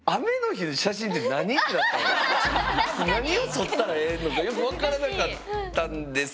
何を撮ったらええのかよく分からなかったんです。